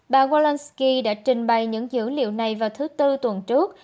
bà zalensky đã trình bày những dữ liệu này vào thứ tư tuần trước